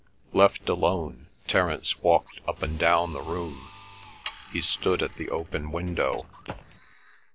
Left alone, Terence walked up and down the room; he stood at the open window.